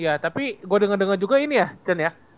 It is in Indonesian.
iya tapi gua denger denger juga ini ya chen ya